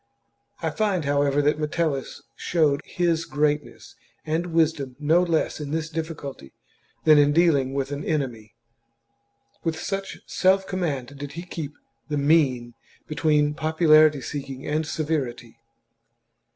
I find, how chap ever, that Metellus showed his greatness and wisdom no less in this difficulty than in dealing with an enemy ; with such self command did he keep the mean between popularity seeking and severity.